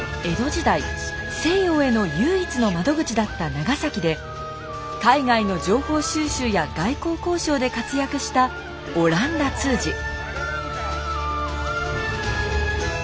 江戸時代西洋への唯一の窓口だった長崎で海外の情報収集や外交交渉で活躍した阿蘭陀通詞。